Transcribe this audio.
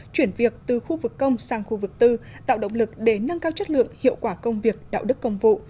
chuyển việc từ khu vực công sang khu vực tư tạo động lực để nâng cao chất lượng hiệu quả công việc đạo đức công vụ